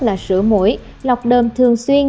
là sửa mũi lọc đơm thường xuyên